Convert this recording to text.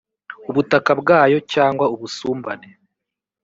ubutaka bwayo cyangwa ubusumbane